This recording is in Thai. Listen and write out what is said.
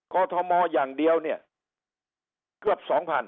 อทมอย่างเดียวเนี่ยเกือบ๒๐๐๐